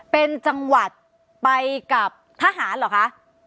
เป็นจังหวัดไปกับทหารเหรอคะ